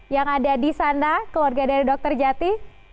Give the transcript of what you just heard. yang ada di sana keluarga dari dokter jati